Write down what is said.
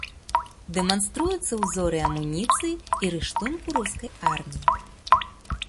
Дэманструюцца ўзоры амуніцыі і рыштунку рускай арміі.